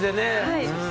はい。